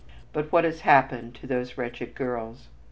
But what has happened to these wretched girls?